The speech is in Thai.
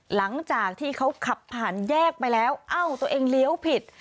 หลังจากที่เขาขับผ่านแยกไปแล้วเอ้าตัวเองเลี้ยวผิด